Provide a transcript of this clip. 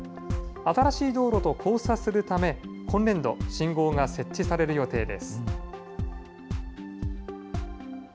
新しい道路と交差するため、今年度、信号が設置される予定です。